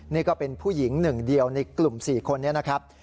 นี่ก็เป็นผู้หญิงหนึ่งเดียวในกลุ่ม๔คนนี้นะครับ